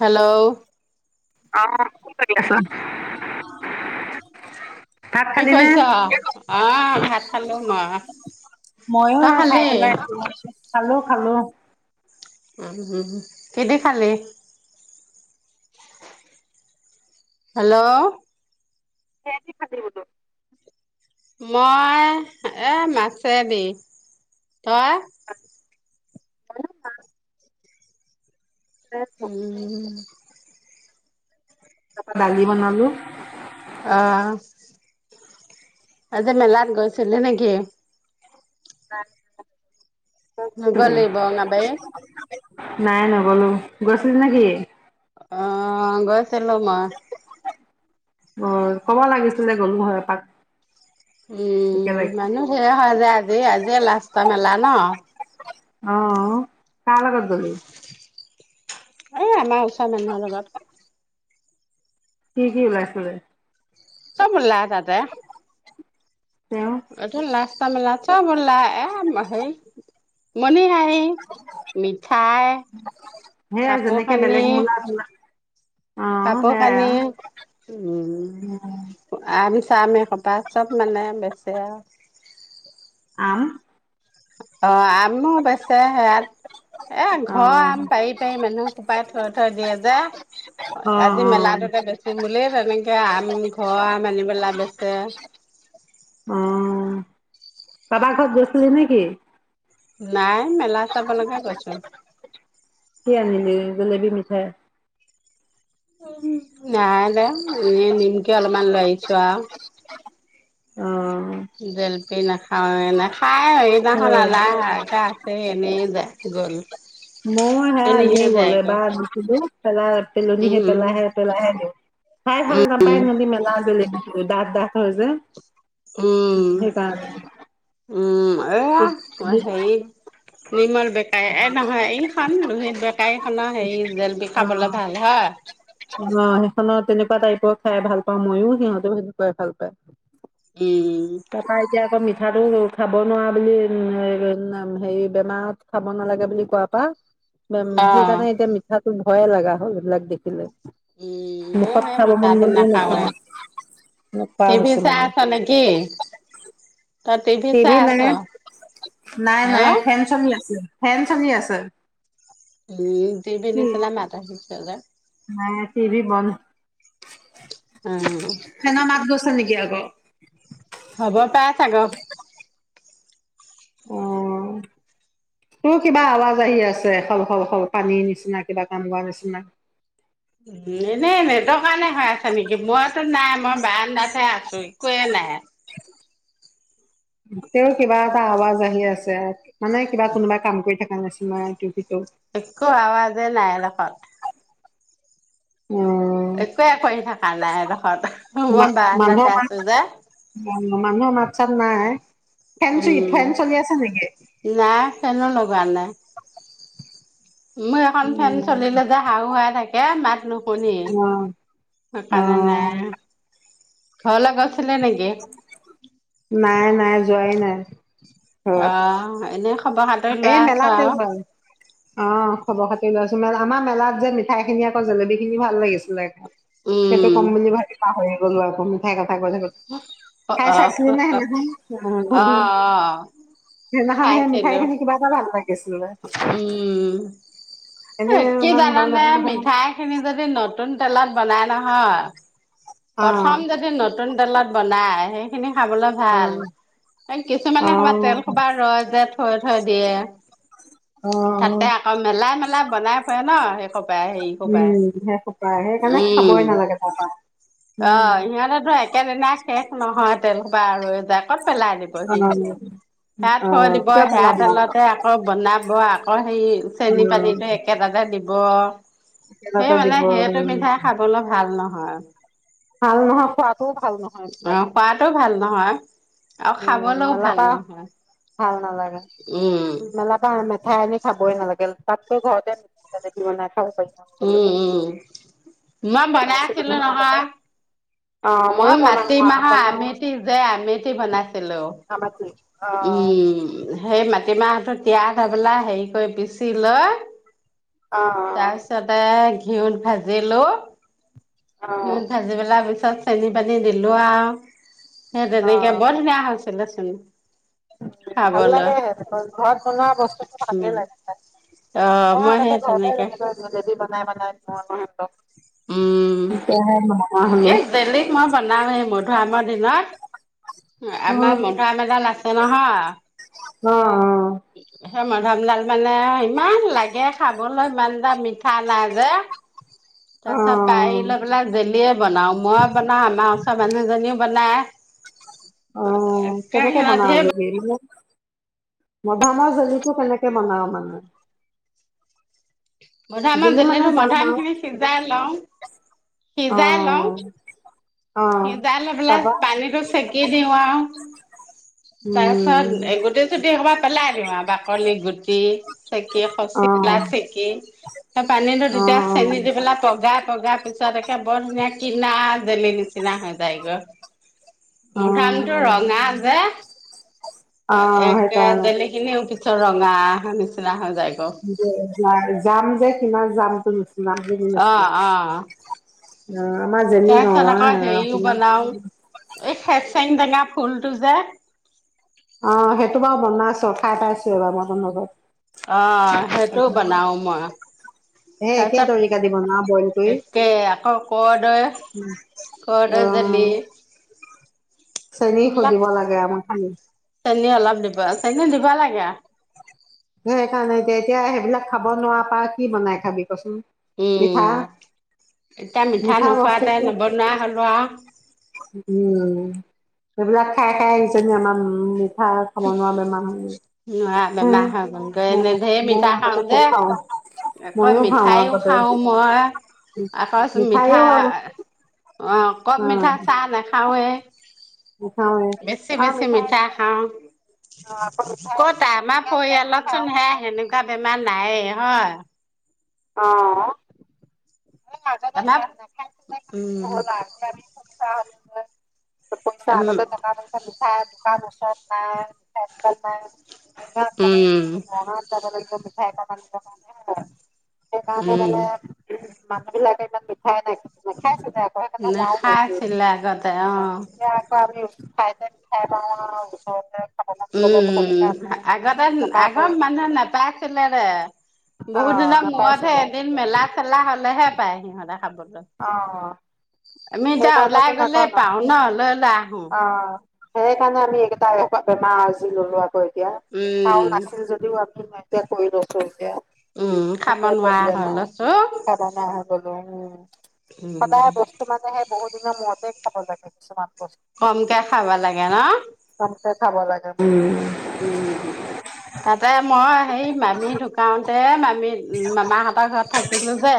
Hello আহ কোন কৰি আছ? ভাত কি খালি নে? কৰিছ অ? ভাত খালো মই। মইয়ো তই এয়া খাই খালি? পেলাই খালো খালো [unintelligible] কেদি খালে? হেল্ল'? কিহেদি খালি বোলো? মই এই মাছেদি। তই? তাৰপা উম। তাৰ পৰা দালি বনালোঁ। অ', আজি মেলাত গৈছিলি নেকি? নাই [inaudible] নগলিব নাবে? নাই, নগলোঁ। গৈছিল নে কি? অ', গৈছিলোঁ মই। অ ', ক'ব লাগিছিলে। গ'লোঁ হয় এপাক। উম', একেলগে মানুহ সেয়া যায় আজি। আজি লাষ্ট মেলা ন',। অ', কাৰ লগত গলি? এ', আমাৰ ওচ চা মানুহৰ লগত। কি - কি ওলাইছিলে? চব ওলা তাতে। তেওঁ এইটো লাষ্ট কা-মেলা চব ওলা [unintelligible] মানে সেই মিঠাই, সেয়াই যেনেকে কাপোৰ-কানি বেলেগ মূলা চোলা অ সেয়াই কাপোৰ-কানি আও উম ম এইসোপাই চব মানে বেচে আৰু। আম অ', আ আমো বেচে সেয়াত। এ অ ঘৰৰ আম পাৰি - পাৰি মানুহ থোপাই থৈ - থৈ দিয়ে যে। অ আজি অ মেলাটোতে বেচিম বুলি। তেনেকে আম- ঘৰ আম আনি পেলে বেচে। কাবাৰ ঘৰত গৈছিলি নেকি? নাই। মেলা চাবলৈকে গৈছো কি আনিলি? জলেবি মিঠাই। নাই। এনে নিমকি অলপমান লৈ আহিছোঁ আৰু। অ'। জেল পি নাখাওঁ। নেখায়ে। সেইদিনাখন সেয়াই আনা আছেই, এনেই যায়। গ'ল। মোৰ হে', আনিয়ে এজনীহে গ'ল যায়গৈ এবাৰ আনিছিলো পেলাই পেলনিহে, উম পেলাইহে - পেলাইহে দিওঁ। খাই ভাল নাপাই ইহঁতে মেলাৰ জেল, দা- দা। ভ যে উম সেইকাৰণে, উম। এয়া তোমাৰ হেৰি! নিম বেকাৰী, এই নহয়, এইখন লোহিত বেকাৰী খনৰ হেৰি জেলেপি অ খাবলে ভাল হয়। অ সেইখনত তেনেকুৱা টাইপৰ খাই ভাল পাওঁ, মইও সিহঁতেও সেনেকুৱাই ভাল পায়। উম পতাই দিয়া কমনি? আলু খাব নোৱাৰা বুলি! হেৰি বেমাৰত খাব নালাগে বুলি কোৱাৰ পৰা মম অ সেইকাৰণে এতিয়া মিঠা ভয়ে লগা হ'ল, এইবিলাক দেখিলে! উম মুখত মোহে খাব মন মিঠাটো গলেও নাখাওৱে, নাখাওঁ নোখোৱা টিভি হৈছো চাই মানে আছ নেকি? তই চাই টিভি আছ নে? নাই, হা নাই ফেন চলি আছে। ফেন চলি আছে। উম! টিভি কি? নিচিনা মাত আহিছে যে নাই টিভি বন্ধ। উম ফে'ন মাত গৈছে নেকি? অঁ। হ'ব পাই চাগ। অঁ, তোৰ কিবা আৱাজ আহি আছে, সল, সল, সল পানীৰ নিচিনা কিবা কাম কৰোৱাৰ নিচিনা। এনেই নেটৰ কাৰণে হৈ আছে নেকি? মইতো নাই মই বাৰান্দাত, এই আছোঁ! একোৱে নাই? তেওঁ কিবা এটা আৱাজ আহি আছে। মানে, কিবা কোনোবাই কাম কৰি থাকে। [unintelligible] টিভিটো? একো আৱাজে নাই! এদখত। অ একোৱে কৰি থকা নাই, এদশত মই মা মানুহৰ বাৰান্দাতে মাত আছো যে! [unintelligible] নাই ফেন চ উম! ফেন চলি আছে নেকি নাই ফেনো লগোৱা নাই। মোৰ এখন ফেন উম, চলিলে যে, হাহুৱাই থাকে। এ [unintelligible] নুশুনি, অ অ সেইকাৰণে নাই। খাবলে [unintelligible] নাই! নাই, যোৱাই নাই। ঘৰত অ' এনে খবৰ সাদৰি এই লৈ আছো মেলাতে আও যোৱা অ' খবৰ-খাতি লৈছো মই। আমাৰ মেলাত যে মিঠাইখিনি আকৌ জেলেবীখিনি ভাল লাগিছিলে খাই। সেইটো উম কম বুলি ভাবিলোঁ। পাহৰি গলো আকৌ মিঠাই খাবলে [unintelligible] অ খাই অ চাইছিলি নে অ অ সেইদিনাখন? সেইদিনাখন সে মি খাই খাইছিলো পিনি কিবা এটা ভাল লাগে উম এনে কি ইমান ভাল জানানে নে? লাগে অ মিঠাইখিনি যদি নতুন তেলত। বনাই নহয়। প্ৰথম যদি নতু নতুন তেলত বনায়, সেইখিনি খাবলৈ অ ভাল, অ অ কিছুমানে ক'বাত তেলসোবা ৰয় যে থৈ থৈ অ দিয়ে। তাতে আকৌ মেলাই-মেলাই বনাই ফুৰে ন? সেই খুপাই, হেৰি খপাই, উম সেই সোপা সেইকাৰণে খাবই উম। নালাগে তাৰপা অ' উম সিহঁতেতো একেদিনাই শেষ নহয় তেল সো সোপা আৰু ৰৈ যায়। ক'ত পেলাই দিব অ সিহঁতে, সেয়া অ থৈ দিব, কিয় সেয়া পেলাব তেলতে আকৌ বনাব আকৌ। সেই উম চেনিপানীটো একেটাতে দিব। গ সেই একেলগতে মানে, দিব সেইটো উম মিঠাই খাবলৈ ভাল নহ হয়। ভাল নহয়, খোৱাটোও ভাল নহয় অ এইবিলাক। খোৱাতো ভাল নহয়। আৰু উম খাবলৈও মেলাৰ ভাল পৰা নহয়। ভাল নালাগে। উম মেলাপা মেথাই আনি। খাবই নালাগে তাতকৈ ঘৰতে জেলেপি বনাই। খাব পাৰি মন গ'লে উম উম বনাই বনাইছিলো আছিলো আগতে নহয়? অ মই মইয়ো মাটি বনাও মাহৰ বনাও আমেঠি যে আমেঠি বনাইছিলো। আমাকে অ উম। সেই মাটিমাহটো তিয়াহ ধবেলা হেৰি কৰি পিচি লৈ অ তাৰপিছতে ঘিউত ভাজিলো, অ ঘিউট ভাজি পেলাই। তাত চেনি পানী দিলোঁ আৰু, সেই তেনেকে বৰ ধুনীয়া হৈছিলে। চোন। উম ভাল লাগে সেনেকে ঘৰত বনোৱা বস্তুটো ভালেই লাগে অঁ মই সে আগতে ঘৰতে তেনেকে, যেনেকৈ জেলেপি বনাই বনাই থও আকৌ সেতক, উম হলো এই জেলিক মই বনামে এই মধুআমৰ দিনত। অ আমাৰ মধাআম এডাল আছে নহয়, অ অ। অ। মধামডাল মানে ইমান লাগে খাবলৈ ইমান দাম মি ঠা নাই যে অ তাৰ চত পাই আহি লৈ পেলাই জেলিয়ে। বনাও মই বনাওঁ আমাৰ ওচৰ মানুহজনীও বনায়। অ কেনেকে বনা আজ ধেৰ হেৰী হাক। মধামাহ জেলটো কেনেকে বনাও মানে। মধাম অ জেলি মানে টো জাম মধাআম আৰু খিনি সিজাই লওঁ। সিজাই লওঁ। অ অ', সিজাই লৈ পেলাই পাবা পানীটো চেকি দিওঁ আৰু তাৰপিছত উম, গুটি চুটি হেখোপা পেলাই দিওঁ আৰু বাকলি গুটি। চেকি খচিলা অ', চেকি ত পানীতো অ', তেতিয়া চেনি দি পেলাই পগাই পগাই পিছত একে বৰ ধুনীয়া কিনা জেলি দিছে। নিচিনা হৈ যাই গৈ অ', মধামটো ৰঙা, এ, অ', একে সেইকাৰণে জেলিখিনি উঠি। ৰঙা নিচিনা হৈ যে য যাম যে কিমান যাম উম। কিমান দি দি অ লৈছিলা? অ অ আমাৰ যেনি তাৰপিছত আকৌ হেৰিও বনাও [unintelligible] এই খেচাৰি টেঙা ফুলটো যে অ সেইটো বাৰু বনাইছোঁ, খাই পাইছোঁ, ‌ এবাৰ [unintelligible] অ সেইটোও বনাও মই, সেই একে তৰিকা দি বনাও বইল কৰি তাৰপিছত একে আকৌ কৰদৈ, কৰদৈ জেলি। অ', চেনি সৈ বিলাক, দিব লাগে আমাৰ খালি চেনী অলপ দিবা, চেনী দিব লাগে। সেইকাৰণে এতিয়া, এতিয়া সেইবিলাক খাব নোৱাৰা পৰা কি বনাই খাবি, ক চোন? উম, এতিয়া মিঠা নোখোৱাতে নবনোৱা হলোঁ আৰু। উম, সেইবিলাক খাই, ‌ খাই, ইজনী আমাৰ মি নোৱাৰা হ বেমাৰ হয় গলগৈ, এনে ময়ো ঢেৰ ময়ো মিঠা আগতে খাওঁ যে, খুব খাওঁ আকৌ ময়ো খাওঁ মিঠাইও আগতে খাওঁ মই, আকৌ ছোন মিঠা, মিঠাইও আৰু অ। কম মিঠা চাহ নাখাওঁ মিঠাওৱে [unintelligible] বেছি, অ বেছি মিঠাই মিঠা খাওঁ। আকৌ মিঠাই ক'তা আমাৰ আনি আনি পৰিয়ালত চোন খাওঁ সেয়া হেনে নেকুৱা বেমাৰ নাইয়ে, হয়? অঁ। [unintelligible] উম। নহ'ল আৰু এতিয়া [unintelligible] পইচা উম আগতে, টকা পইচা [unintelligible] তাৰ ওচৰত নাই, [unintelligible] নাই। উম [unintelligible] মিঠাই [unintelligible] সেই কাৰণে উম মানে মানুহ বিলাকে ইমান মিঠাই না নেখায়ে চোন‌। নেখাইছিলে আগতে, অ। এতিয়া আকৌ আমি ঠাইতে খাই পাওঁ আৰু ওচৰতে। খাব মন গ'লে পতককে উম। আগতে, টকা পই আগৰ মানুহে নাপায় [unintelligible] বহুত অ' দিনৰ মোৰতহে নাপাইছিলে এদিন মেলাত মেলা হ'লেহে পায়, সিহঁতে খাব। অঁ। আমি এতিয়া ওলাই গ'লেই পাওঁ ন, লৈ লোৱা অ', সেই কাৰণে আমি সেইকেইটা বেমাৰ আজি ল'লো আও। অ এতিয়া উম কাইন আছিল যদিও আমি নাই। এতিয়া কৈ লৈছো এতিয়া উম খাব সেইটোৱে নোৱাৰা প্ৰব্লেম হয় আৰু লৈছো। খাব নোৱাৰা হৈ গ'লো উম সদায়ে উম বস্তু মানেহে বহুত সে দিনা মূৰতে খাব লাগে কিছুমান বস্তু কমকে খাব লাগে ন। কমকে খাব লাগে উম তাতে মই হেই মামী ঢুকাওতে মা আমি উম মামাহঁতৰ ঘৰত থাকিলো যে।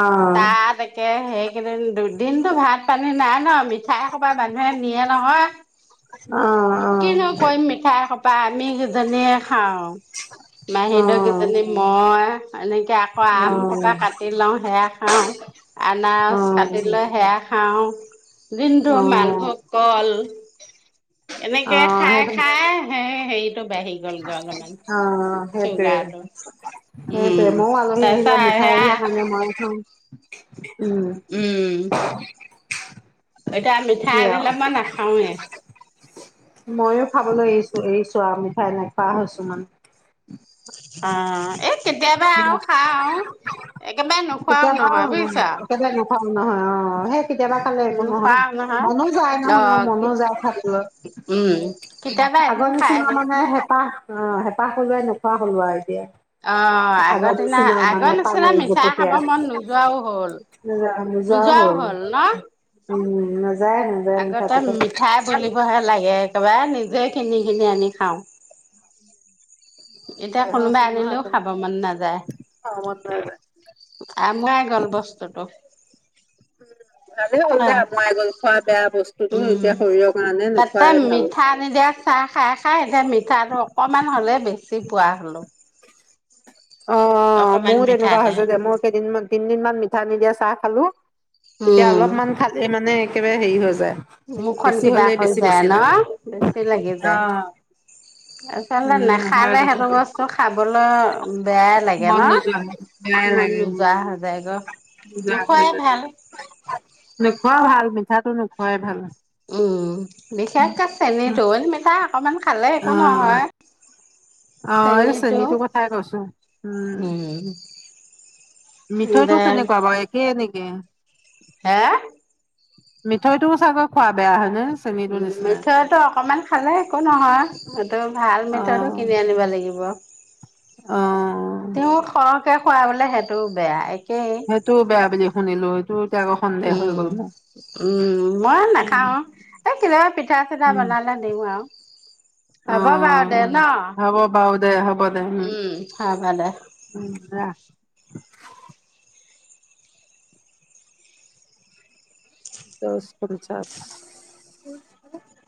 অ'। তাত একে হেই একেইদিন দুদিনতো ভাত। পানী নাই ন মিঠাই কবা মানুহে নিয়ে নহয় অ সেইটো কিনো কৰিম মিঠাই খা বা আমি কি জনীয়ে খাওঁ। মাহী ধৰক এজনী মই এনেকৈ আকৌ আম কপা কাটি লও সেয়া অ আনাৰজ কাটি লৈ সেয়া খাও দিনটো মালভোগ অ কল এনেকে খাই খাই হেৰি অ সেইটোৱে চুগাৰটো। সেইটোৱে উম ময়ো আলহী আহিলে তাৰপিছত সেয়া মিঠাইলাক আনি মই থওঁ। [inaudible] উম এতিয়া কি মিঠাই আও আনিলে মই নাখাওঁৱে। ময়ো খাবলৈ এৰিছোঁ এৰিছোঁ। চোৱা, মিঠাই নোখোৱা হৈছো মানে। অ'। [unintelligible] কেতিয়াবা আৰু খাও আৰু। একেবাৰে নোখোৱাও কেতিয়াবা নহয় বুইছ? একেবাৰে নাখাও নহয় অ' সেই কেতিয়াবা খালে একো নহয়। মনো যায় অ নহয়, কি মনো যায় খাবলৈ। উম কেতিয়াবা এদিন আগৰ খাই নিচিনা দিওঁ মানে হেঁপাহ অ' হেঁপাহ পলোৱাই নোখোৱা হ'লো আৰু এতিয়া। অ' আগৰ আগৰদিনা নিচিনা মানে আগৰ পালে নিচিনা মিঠাই খাব জপতিয়াই মন নোযোৱাও হ'ল। নোযোৱাও হ'ল ন? উম। [unintelligible] আগতে নাথাকোতে মিঠাই বুলিবহে লাগে, একেবাৰে নি নিজে কিনি কিনি আনি খাওঁ। এতিয়া কোনোবাই হৈছিল নহয় আনিলেও তাত খাব মন নাযায়। আমুৱাই গ'ল বস্তুটো। ভালে হ'ল দে অ'। আঁতৰাই গ'ল খোৱা বেয়া বস্তুটো এতিয়া উম। শৰীৰৰ কাৰণে তাতে নোখোৱাই ভাল। মিঠা নিদিয়া চাহ খাই খাই এতিয়া মিঠাটো অকমান হ'লে বেছি [unintelligible] পোৱা হ'লো। অ' অকমান মোৰো তেনেকুৱা মিঠাতে হৈছে দে। মই কেইদিন -তিনদিনমান মিঠা নিদিয়া চাহ খালো, এতিয়া উম অলপমান খালে মানে একেবাৰে হেৰি হৈ যায়। মুখখন বেছি কিবা হ'লে হৈ বেছি যায় বেছি ন? লাগে বেছি লাগি যায়। আচলতে উম হয় নাখালে কথা সেইবোৰ বস্তু খাবলৈ বেয়াই লাগে মন ন নোযোৱা হ'ল। বেয়াই মন লাগে নোযোৱা হৈ যায়গৈ মোৰ। নোযোৱা নোখোৱাই হৈ গ'ল, ভাল নোখোৱা ভাল মিঠাটো নোখোৱাই ভাল। উম উম বিশেষকে উম। চেনীটো, এটো মিঠাই অকণমান খালে অ একো নহয়। অ' এই চেনীটো চেনীটোৰ কথাই কৈছো। উম, মিঠৈটো দে কেনেকুৱা বাৰু একেইে নেকি? কে হে? মিঠৈটো চাগৈ খোৱা বেয়া হয়নে? চেনীটোৰ উম, নিচিনা? মিঠৈটো অকমান খালে একো নহয়। এইটো ভাল মিঠৈটো অ', কিনি আনিব লাগিব। [unintelligible] অ'। তেওঁ সৰহকে খোৱা বোলে সেইটো বেয়াই কেই। সেইটোও বেয়া বুলি শুনিলো সেইটো এতিয়া আকৌ সন্দেহ হৈ উম গ'ল মোৰ। উম, মই উম, নাখাও। এই কিবা পিঠা-চিঠা উম, বনালে দিওঁ আৰু? হ'ব বাৰু দে ন? অ', হ'ব বাৰু দে হ'ব উম হ'ব দে। উম, ৰাখ [unintelligible] পঞ্চাছ [unintelligible]